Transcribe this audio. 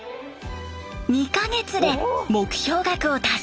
２か月で目標額を達成！